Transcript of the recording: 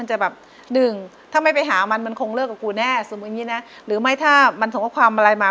หรือไม่หรือไม่หรือไม่ถ้ามันส่งเวิกความอะไรมา